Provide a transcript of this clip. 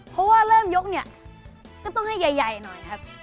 เพราะว่าเริ่มยกเนี่ยก็ต้องให้ใหญ่หน่อยครับ